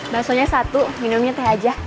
baksonya satu minumnya teh aja